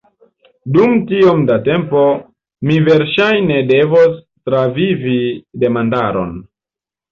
Dum tiom da tempo, mi verŝajne devos travivi demandaron.